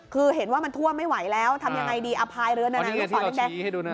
คือเห็นว่ามันท่วมไม่ไหวแล้วทำยังไงดีอพายเรือนั่นลูกศรแดง